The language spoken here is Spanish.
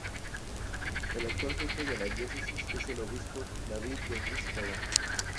El actual jefe de la diócesis es el obispo David Dennis Kagan.